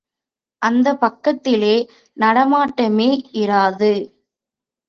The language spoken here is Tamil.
அந்தப் பக்கத்திலே நடமாட்டமே இராது.